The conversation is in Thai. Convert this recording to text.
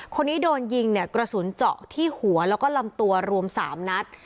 คนนี้โดนยิงเนี่ยกระสุนเจาะที่หัวแล้วก็ลำตัวรวม๓นัด